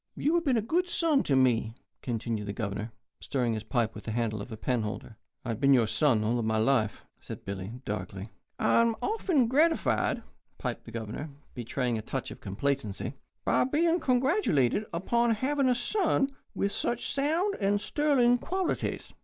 "You have been a good son to me," continued the Governor, stirring his pipe with the handle of a penholder. "I've been your son all my life," said Billy, darkly. "I am often gratified," piped the Governor, betraying a touch of complacency, "by being congratulated upon having a son with such sound and sterling qualities.